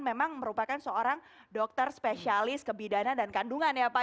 tapi dia memang merupakan seorang dokter spesialis kebidanan dan kandungan ya pak ya